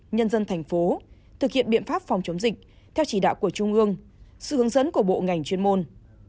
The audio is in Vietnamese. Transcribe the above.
nhân dân thành phố thực hiện biện pháp phòng chống dịch theo chỉ đạo của trung ương sự hướng dẫn của bộ ngành chuyên môn